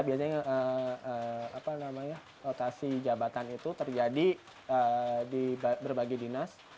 biasanya rotasi jabatan itu terjadi di berbagai dinas